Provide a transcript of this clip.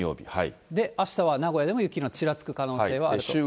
あしたは名古屋でも雪のちらつく可能性はあると。